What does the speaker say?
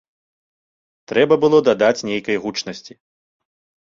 Трэба было дадаць нейкай гучнасці.